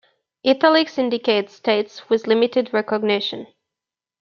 "Italics" indicate states with limited recognition.